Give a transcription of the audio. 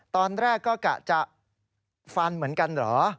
ตอนแรกก็กะจะฟันเหมือนกันเหรอ